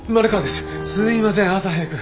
すいません朝早く。